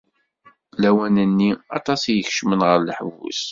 Lawan-nni, aṭas i ikecmen ɣer leḥbus.